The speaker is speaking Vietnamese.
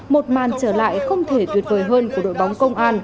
một màn trở lại không thể tuyệt vời hơn của đội bóng công an